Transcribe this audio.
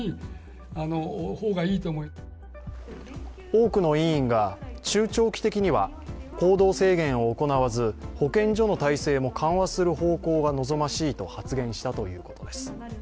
多くの委員が、中長期的には行動制限を行わず、保健所の体制も緩和する方向が望ましいと発言したということです。